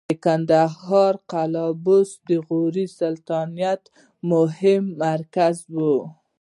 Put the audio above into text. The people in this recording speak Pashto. د کندهار د قلعه بست د غوري سلطنت مهم مرکز و